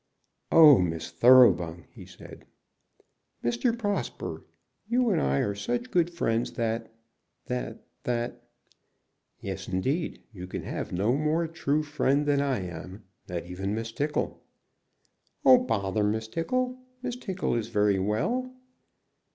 "Oh, Miss Thoroughbung!" he said. "Mr. Prosper, you and I are such good friends, that that that " "Yes, indeed. You can have no more true friend than I am, not even Miss Tickle." "Oh, bother Miss Tickle! Miss Tickle is very well."